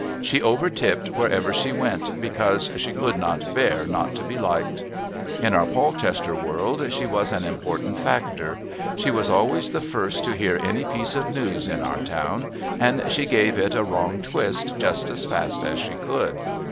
She overtipped wherever she went because "she could not bear not to be liked." In our Polchester world she was an important factor. She was always the first to hear any piece of news in our town, and she gave it a wrong twist just as fast as she could.